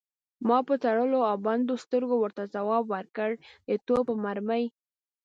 ما په تړلو او بندو سترګو ورته ځواب ورکړ: د توپ په مرمۍ.